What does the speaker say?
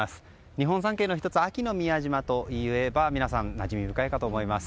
日本三景の１つ安芸の宮島といえば皆さん、なじみ深いかと思います。